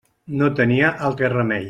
No tenia altre remei.